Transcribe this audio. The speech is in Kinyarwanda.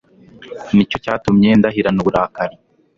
ni cyo cyatumye ndahirana uburakari